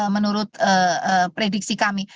menurut prediksi kami